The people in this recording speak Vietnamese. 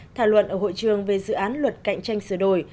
thảo luận ở hội trường về dự án luật cạnh tranh sửa đổi